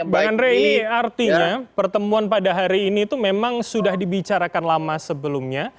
bang andre ini artinya pertemuan pada hari ini itu memang sudah dibicarakan lama sebelumnya